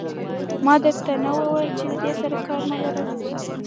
ما در ته نه ویل چې دې سره کار مه لره.